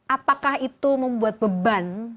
apakah itu membuat beban